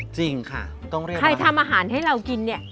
จริงค่ะต้องเรียกใครทำอาหารให้เรากินเนี่ย